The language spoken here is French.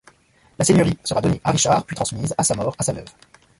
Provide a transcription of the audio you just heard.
La seigneurie sera donnée à Richard puis transmise à sa mort à sa veuve.